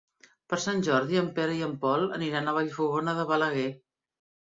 Per Sant Jordi en Pere i en Pol aniran a Vallfogona de Balaguer.